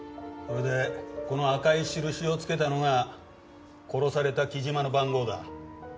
これでこの赤い印をつけたのが殺された木島の番号だ。